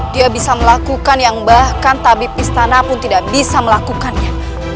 dia bisa melakukan yang bahkan tabib istana pun tidak bisa melakukannya